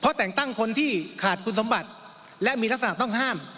เพราะแต่งตั้งคนที่ขาดคุณสมบัติและมีลักษณะต้องห้าม